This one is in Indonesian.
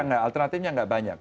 nggak alternatifnya nggak banyak